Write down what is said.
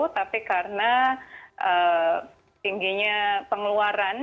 tapi karena tingginya pengelolaan